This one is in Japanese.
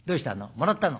「もらったの」。